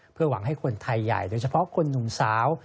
เพื่อหวังให้คนไทยใหญ่โดยเฉพาะคนหนุ่มสาว